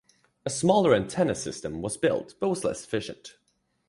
A smaller antenna system was built but was less efficient.